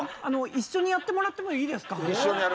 一緒にやってもらっていいですかね。